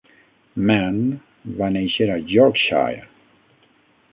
Mann va néixer a Yorkshire.